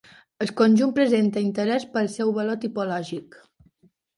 El conjunt presenta interès pel seu valor tipològic.